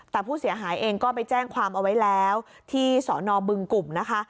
แต่ผู้เสียหายเองก็ไปแจ้งความเอาไว้แล้วที่สอนอบึงกลุ่มนะคะ